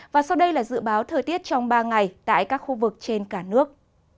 và sau đây là dự báo thời tiết trong ba ngày tại các khu vực trên cả nước